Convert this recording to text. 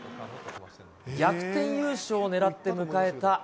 逆転優勝を狙って迎えた